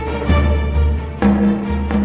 jangan lupa joko tingkir